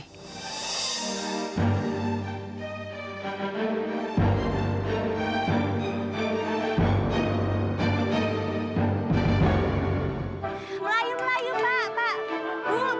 melayu melayu pak